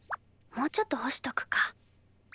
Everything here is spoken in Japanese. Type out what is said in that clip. もうちょっと干しとくか。